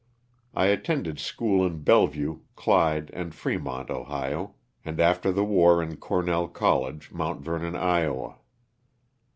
I attended school in Bellevue, Clyde and Fremont, Ohio, and after the war in Cornell College, Mount Vernon, Iowa.